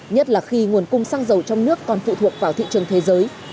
nhất là khi nguồn cung xăng dầu trong nước còn phụ thuộc vào thị trường thế giới